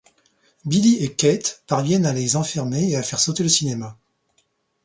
Billy et Kate parviennent à les enfermer et à faire sauter le cinéma.